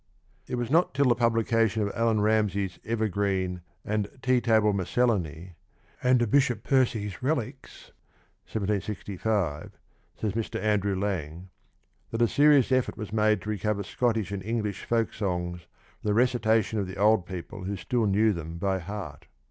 " It was not till the publication of Allan Ramsay's Evergreen and Tea Table Miscellany, and of Bishop Percy's Rellqucs (1765)," says Mr. Andrew Lang, " that a serious effort was made to recover Scottish and English folk songs from the recitation of the old people who still knew them by heart."